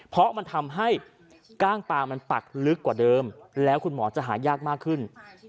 เพราะมันทำให้กล้างปลามันปักลึกกว่าเดิมแล้วคุณหมอจะหายากมากขึ้น